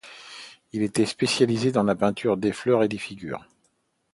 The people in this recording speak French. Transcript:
Il était spécialisé dans la peinture des fleurs et des figures.